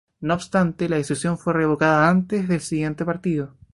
No obstante, la decisión fue revocada antes del siguiente partido.